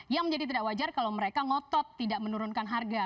yang menjadi tidak wajar kalau mereka ngotot tidak menurunkan harga